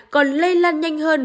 còn lây lan nhanh hơn